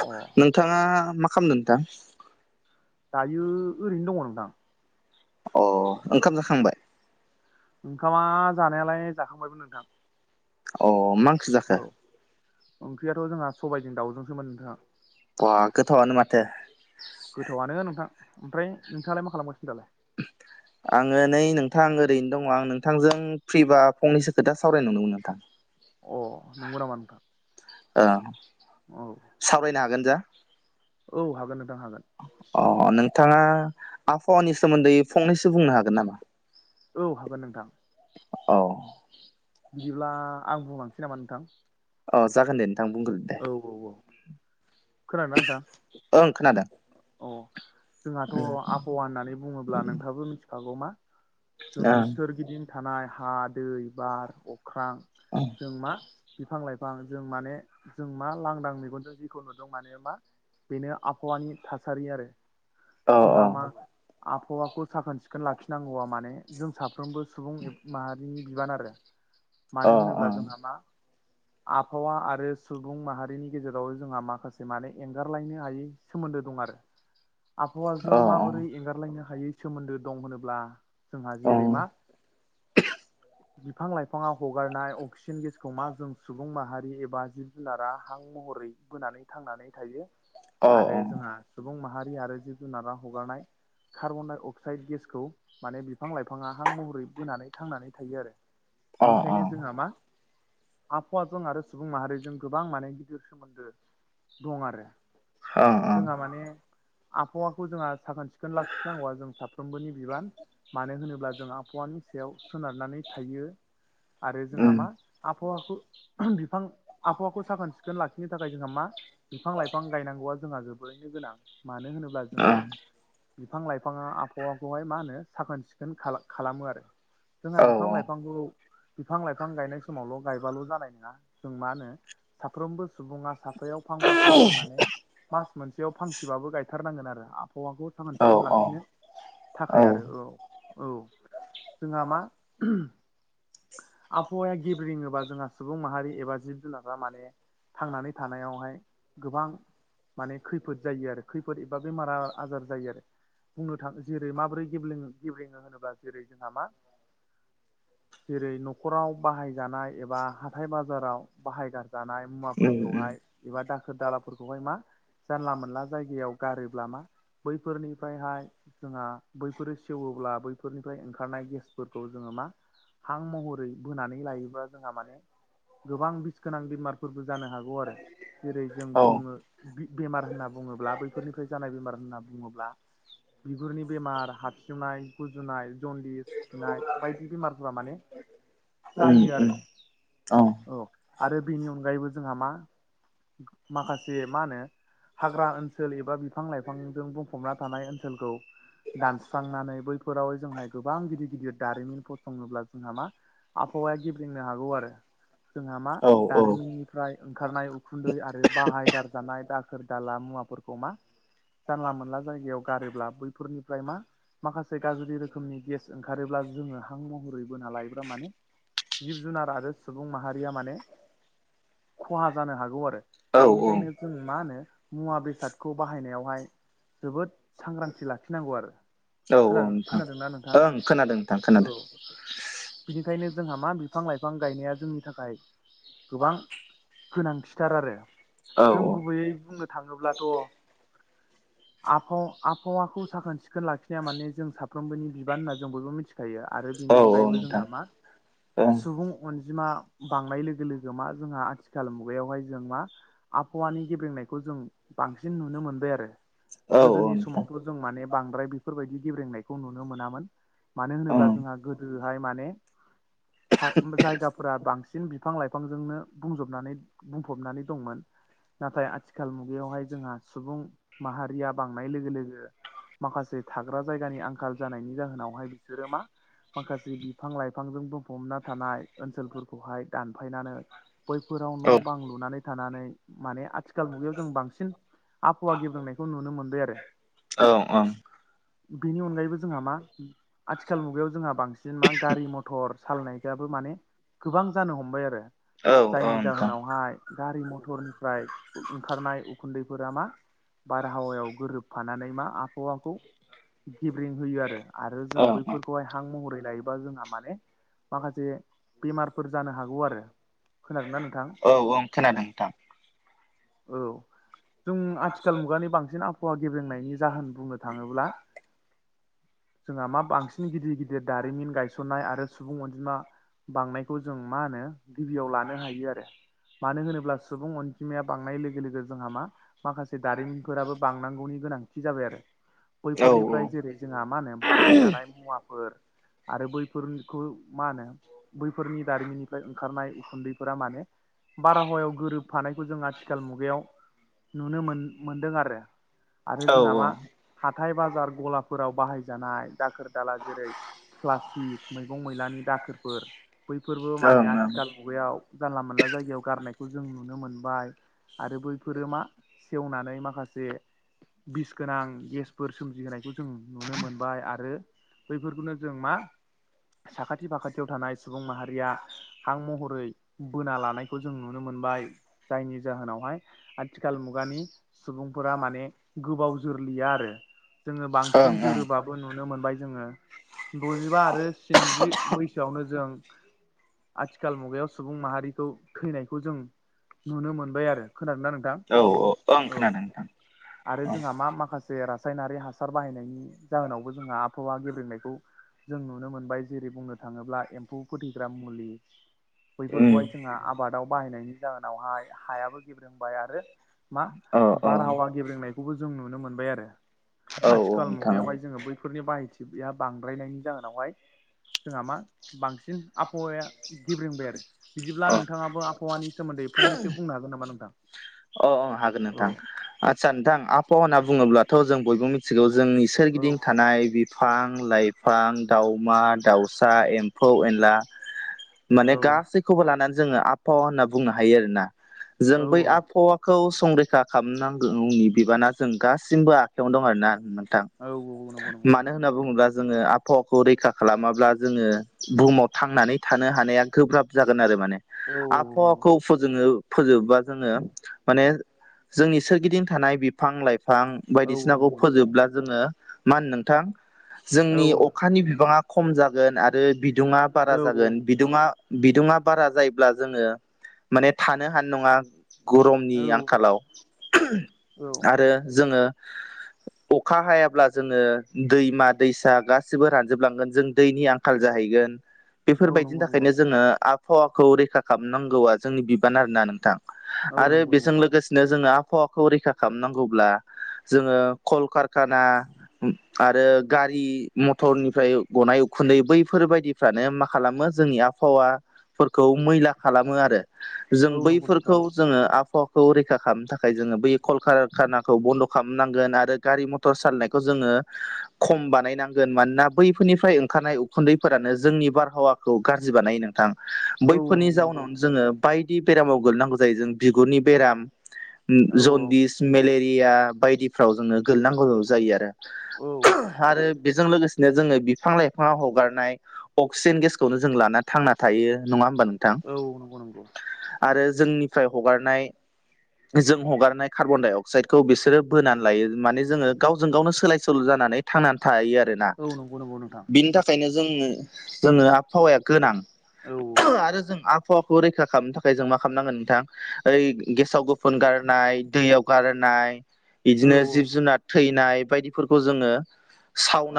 अ नोंथाङा मा खालामदों नोंथां? दायो ओरैनो दङ नोंथां। अ ओंखाम जाखांबाय? ओंखामा जानायालाय जाखांबायमोन नोंथां। अ माओं औ ओंख्रियाथ' जोंहा सबायाइजों दाउजोंसोमोन नोंथां। बा गोथावानो माथो। गोथावआनो नोंथां ओमफ्राय नोंथाङालाय मा खालामगासिनो दालाय? आङो नै नोंथां ओरैनो दङ आं नोंथांजों फ्रिबा फंनैसो खोथा सावराय नुदोंमोन नोंथां। अ नंगौ नामा नोंथां ओं औ सावरायनो हागोन जा? औ हागोन नोंथां हागोन। अ नोंथाङा आबहावानि सोमोन्दै फंनैसो बुंनो हागोन नामा? औ हागोन नोंथां औ बिदिब्ला आं बुंलांसै नामा नोंथां? अह जागोन दे नोंथां बुंगोन। औ औ औ खोनादोना नोंथां? ओं खोनादों अ जोंहाथ' आबहावा होननानै बुङोब्ला नोंथाबो मिथिखागौ मा जोंनि सोरगिदिं थानाय हा दै बार अख्रां ओं जों मा बिफां लाइफा गोबां जों माने जों मा लांदां मेगनजों जेखौ नुदों माने मा बेनो आबहावानि थासारि आरो अ अ जोंहा मा आबहावाखौ साखोन सिखोन लाखिनांगौआ माने जों साफ साफ्रोमबो सुबुं माहारिनि बिबान आरो अ मानो होनोब्ला जोंहा मा आबहावा आरो सुबुं माहारिनि गेजेराव जोंहा माखासे माने एंगारलायनो हायै सोमोन्दो दं आरो आबहावाजों अ माबोरै एंगारलायनो हायै सोमोन्दो दं होनोब्ला जोंहा अ जेरै मा बिफां लाइफाङाव हगारनाय अक्सिजेन गेसखौ मा जों सुबुं माहारि एबा जिब जुनारा हां महरै बोनानै थांनानै थायो अ आरो जोंहा सुबुं माहारि आरो जिब जुनारा हगारनाय कार्बन डाइ अक्साइड गेसखौ माने बिफां लाइफाङा हां महरै बोनानै थांनानै थायो आरो बिनिखायनो जोंहा मा आबहावाजों आरो सुबुं माहारिजों गोबां माने गिदिर सोमोन्दो दं आरो औ जोंहा माने आबहावाखौ जोंहा साखोन सिखोन लाखिनांगौआ जों साफ्रोमबोनि बिबान मानो होनोब्ला जों आबहावानि सायाव सोनारनानै थायो आरो जोंहा उम मा आबहावाखौ बिफां आबहावाखौ साखोन सिखोन लाखिनो थाखाय जोंहा मा बिफां लाइफां गायनांगौआ जोंहा जोबोरैनो गोनां मानो होनोब्ला अ जोंहा बिफां लाइफाङा आबहावाखौहाय मा होनो साखोन सिखोन खालामो आरो जोंहा औ बिफां लाइफांखौ बिफां लाइफां गायनाय समावल' गायबाल' जानाय नङा जों मा होनो साफ्रोमबो सुबुङा साफायाव फांफा खरै माने मास मोनसेयाव फांसेबाबो गायथारनांगोन आरो आबहावाखौ साखोन औ सिखोन लाखिनो औ थाखाय उम आरो अ औ जोंहा मा आबहावाया गेब्रेङोबा जोंहा सुबुं माहारि एबा जिब मा माने थांनानै थानायावहाय गोबां माने खैफोद जायो आरो खैफोद एबा बेमारा आजार जायो आरो बुंनो थाङो जेरै माबोरै गेबे गेब्लेङो होनोबा जेरै जोंहा मा जेरै न'खराव बाहायजानाय एबा हाथाय बाजाराव बाहायगारजानाय उम मुवाफोरखौहाय एबा दाखोर दालाफोरखौहाय मा जानला मोनला जायगायाव गारोब्ला मा बैफोरनिफ्रायहाय जोंहा बैफोरो सेवोब्ला बैफोरनिफ्राय ओंखारनाय गेसफोरखौ जोङो मा हां महरै बोनानै लायोब्ला जोंहा माने गोबां बिस गोनां बेमारफोरबो जानो हागौ आरो जेरै जों औ बुङो बेमार होनना बुङोब्ला बैफोरनिफ्राय जानाय बेमार होनना बुङोब्ला बिगुरनि बेमार हाबसिउनाय गुजुनाय जन्दिस खिनाय बायदि बेमारफोरा माने उम जायो उम आरो औ आरो बेनि अनगायैबो जोंहा मा माखासे मा होनो हाग्रा ओनसोल एबा बिफां लाइफांजों बुंफबना थानाय ओनसोलखौ दानस्रांनानै बैफोरावहाय जोंहाय गोबां गिदिर गिदिर दारिमिन फसङोब्ला जोंहा मा आबहावाया गेब्लंनो हागौ आरो जोंहा मा औ निफ्राय ओंखारनाय उखुन्दै आरो बाहायगारजानाय दाखोर दाला मुवाफोरखौ मा जानला मोनला जायगायाव गारोब्ला बैफोरनिफ्राय मा माखासे गाज्रि रोखोमनि गेस ओंखारोब्ला जोङो हां महरै बोना लायोब्ला माने जिब जुनार आरो सुबुं माहारिया माने खहा जानो हागौ आरो औ बिनिखायनो जों मा होनो मुवा बेसादखौ बाहायनायावहाय जोबोद सांग्रांथि लाखिनांगौ आरो औ खोनादो नोंथां खोनादोंना नोंथां ओं खोनादों नोंथां औ खोनादों बिनिखायनो जोंहा मा बिफां लाइफां गायनाया जोंनि थाखाय गोबां गोनांथिथार आरो औ जों गुबैयै बुंनो थाङोब्लाथ' आबहावा आबहावाखौ साखोन सिखोन लाखिनाया माने जों साफ्रोमबोनि बिबान होनना जों बयबो मिथिगौ थायो आरो औ बिनि औ अनगायैबो नोंथां जोंहा मा ओं सुबुं अनजिमा बांनाय लोगो लोगो मा जोंहा आथिखाल मुगायावहाय जों मा आबहावानि गेब्रेंनायखौ जों बांसिन नुनो मोनबाय आरो औ औ गोदोनि नोंथां समावथ' जों माने बांद्राय बेफोर बायदि गेबरेंनायखौ नुनो मोनामोन मानो होनोबा ओं जोंहा गोदो जाय माने जायगाफोरा बांसिन बिफां लाइफांजोंनो बुंजोबनानै बुंफबनानै दंमोन नाथाय आथिखाल मुगायावहाय जोंहा सुबुं माहारिया बांनाय लोगो लोगो माखासे थाग्रा जायगानि आंखाल जानायनि जाहोनावहाय बिसोरो मा माखासे बिफां लाइफांजों बुंफबना थानाय ओनसोलफोरखौहाय दानफायनानै बैफोराव औ न' बां लुनानै थानानै माने आथि आथिखाल मुगायाव जों बांसिन आबहावा गेब्रोंनायखौ नुनो मोनबाय आरो औ ओं औ बेनि अनगायैबो जोंहा मा आथिखाल मुगायाव जोंहा बांसिन मा गारि मथर सालायनायफ्राबो माने गोबां जानो हमबाय आरो औ जायनि नोंथां जाहोनावहाय गारि मथरनिफ्राय ओंखारनाय उखुन्दैफोरा मा बारहावायाव गोरोबफानानै मा आबहावाखौ गेबेरं होयो आरो आरो जों ओं बैफोर खौहाय हां महरै लायोबा जोंहा माने माखासे बेमारफोर जानो हागौ आरो खोनादोंनना नोंथां औ ओं खोनादों नोंथां औ जों आथिखाल मुगानि बांसिन आबहावा गेब्रेंनायनि जाहोन बुंनो थाङोब्ला जोंहा मा बांसिन गिदिर गिदिर दारिमिन गायसननाय आरो सुबुं अनजिमा बांनायखौ जों मा होनो गिबियाव लानो हायो आरो मानो होनोब्ला सुबुं अनजिमाया बांनाय लोगो लोगो जोंहा मा माखासे दारिमिनफोराबो बांनांगौनि गोनांथि जाबाय आरो औ औ बैफोरनिफ्राय जेरै जोंहा मा होनो बाहायजानाय मुवाफोर आरो बैफोरखौ मा होनो बैफोरनि दारिमिननिफ्राय ओंखारनाय उखुन्दैफोरा माने बारहावायाव गोरोबफानायखौ जों आथिखाल मुगायाव नुनो मोन मोनदों आरो आरो ओं जोंहा मा हाथाय बाजार गलाफोराव बाहायजानाय दाखोर दाला जेरै प्लास्टिक मैगं मैलानि दाखोरफोर बैफोरबो माने ओं ओं आथिखाल मुगायाव जानला मोनला जायगायाव गारनायखौ जों नुनो मोनबाय आरो बैफोरो मा सेवनानै माखासे बिस गोनां गेसफोर सोमजिहोनायखौ जों नुनो मोनबाय आरो बैफोरखौनो जों मा साखाथि फाखाथियाव थानाय सुबुं माहारिया हां महरै बोना लानायखौ जों नुनो मोनबाय जायनि जाहोनावहाय आथिखाल मुगानि सुबुंफोरा माने गोबाव जोरलिया आरो जोङो बांसिन औ जोरोबा खौ नुनो मोनबाय जोङो द'जिबा आरो स्निजि बैसोआवनो जों आथिखाल मुगायाव सुबुं माहारिखौ थैनायखौ जों नुनो मोनबाय आरो खोनानो नांगोन औ ओं औ खोनादों नोंथां आरो जोंहा मा माखासे जे रासायनारि हासार बाहायनायनि जाहोनावबो जोंहा आबहावा गेब्रेनायखौ जों नुनो मोनबाय जेरै बुंनो थाङोब्ला एम्फौ फोथैग्रा मुलि उम बैफोरखौहाय जोंहा आब आबादाव बाहायनायनि जाहोनावहाय हायाबो गेब्रोंबाय आरो मा अ अ बारहावा गेब्रेंनायखौबो जों नुनो मोनबाय आरो औ औ आथिखाल नोंथां मुगायावहाय जोङो बैफोरनि बाहायथि या बांद्रायनायनि जाहोनावहाय जोंहा मा बांसिन आबहावाया गेब्रंबाय आरो बिदिब्ला औ नोंथाङाबो आबहावानि सोमोन्दै फंनैसो बुंनो हागोन नामा नोंथां अ अ हागोन औ नोंथां आदसा नोंथां आबहाव होन्ना बुङोब्लाथ' जों बयबो मिथिगौ जोंनि औ सोरगिदिं थानाय बिफां लाइफां दाउमा दाउसा एम्फौ एनला माने औ गासैखौबो लानानै जोङो आबहावा होनना बुंनो हायो आरोोना जों औ बै औ आब फावाखौ संरैखा खालामनांगौनि बिबाना जों गासिमबो आखायावनो दं आरोना औ औ नंगौ नंगौ मानो होन होनना बुङोब्ला जोङो आबहावाखौ रैखा खालामाब्ला जोङो बुहुमाव थांनानै थानो हानाया गोब्राब जागोन आरो माने औ आबहावाखौ औ फोनो फोजोबबा जोङो माने जोंनि सोरगिदिं थानाय बिफां लाइफां औ बायदिसिनाखौ नंगौ नंगौ फोजोबब्ला जोङो मा होन नोंथां औ जोंनि अखानि बिबाङा खम जागोन आरो बि दुङा बारा औ औ औ जागोन बि बिदुंा बिदुुंा बारा जायोब्ला जोङो माने थानो हानाय नङा गरमनि आंखालाव आरो जोङो अखा हायाब्ला जोङो दैमा दैसा गासैबो गासिबो रानजोबलांगोन जों दैनि आंखाल जाहैगोन औ बेफोरबायदिनि नंगौ नंगौ थाखायनो जोङो फावाखौ रैखा खालामनांगौआ जोंनि बिबान आरोना नोंथां औ आरो नंगौ नंगौ बेजों नोंथां लोगोसेनो जोङो आबहावाखौ रैखा खालामनांगौब्ला जोङो कलकारखाना आरो गारि मटरनिफ्राय गनाय उखुन्दै बैफोरबायायदिफ्रानो मा खालामो जोंनि आबहावा फोरखौ मैला खालामो आरो जों औ नंगौ बैफोरखौ नोंथां जोङो आबहावाखौ रैखा खालामनो थाखाय जोङो बै कलकारखानाखौ बन्द' खालामनांगोन आरो गारि मथर मटर सालायनायखौ जोङो खम बानायनांगोन मानोना बैफोरनिफ्राय ओंखारनाय उखुन्दैफोरानो जोंनि बारहावाखौ गाज्रि बानाय नोंथां औ बैफोरनि नंगौ नंगौ जाउनावनो जोङो बायदि बेरामाव गोगैनांगौ जायो जों बिगुरनि बेराम औ जनदिस मेलेरिया बायदिफ्राव जोङो गोगलनांगौ जायो आरो औ आरो बेजों लोगोसे बिनो जोङो बिफां लाइफाङाव हगारनाय अक्सिजेन गेसखौनो जों लाना थांना थायो नङा होमबा नों औ नंगौ नंगौ आरो जोंनिफ्राय हगारनाय जों हगारनाय कार्बन डाय अक्साइडखौ बिसोरो बोनानै लायो माने जोङो गावजों गावनो सोलाय सोल' जानानै थांनानै थायो आरोना औ नंगौ नंगौ नोंथां बिनि थाखायनो जोंो जोङो आबहावाया गोनां औ आरो जों आबहावाखौ रैखा खालामनो थाखाय जों मा खालामनांगोन नोंथां ओइ गेसाव फुन गारनाय दैयाव गाराय औ बिदिनो जिब जुनार थैनाय बायदिफोरखौ जोङो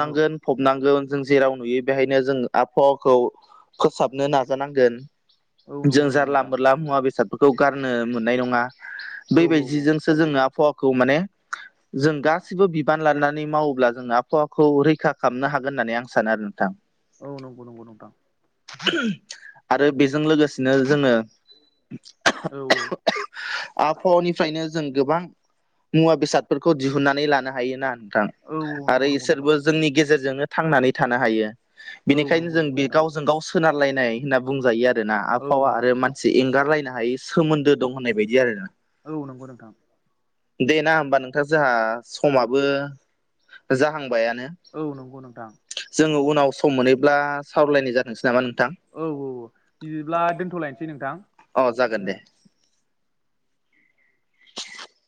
औ फबनांगोन जों जेराव नुयो बेहायनो जों आबहावाखौ फोसाबनो नाजानांगोन औ जों नंगौ नंगौ जारला नोंथां मोरला मुवा बेस गारनो मोननाय नङा औ औ बबायदिजोंसो जोङो आबहावाखौ माने जों गासिबो बिबान लानानै मावोब्ला जों आबहावाखौ रैखा खालामनो हागोन होननानै आं सानो आरो नोंथां औ नंगौ नंगौ नोंथां आरो बेजों लोगोसेनो जोङो औ औ आबहावानिफ्रायनो जों गोबां मुवा बेसादफोरखौ दिहुनन्नानै लानो हाय ना नोंथां औ आरो नंगौ नंगौ नोंथां इसोरबो जोंनि गेजेरजोंनो थांनानै थानो हायो औ बेनिखायनो नंगौ जों नंगौ नोंथां गावजों गाव सोनारलायनाय होनना बुंजायो आरो ना औ आबहावा नंगौ आरो नंगौ मानसि एंगारलायनाय हायो सोमोन्दो दं होननाय बायदि आरो औ नंगौ नोंथां दे ना होमबा नोंथां जोंहा समाबो जाहांबायानो औ नंगौ नोंथां जोङो उनाव सम मोनैब्ला सावरायलायनाय जाथोंसै नामा नोंथां औ औ बिदिब्ला दोनथ'लायनोसै नोंथां अ जागोन दे।